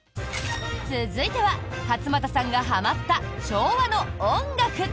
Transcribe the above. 続いては勝俣さんがはまった昭和の音楽。